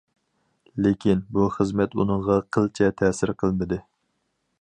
لېكىن، بۇ خىزمەت ئۇنىڭغا قىلچە تەسىر قىلمىدى.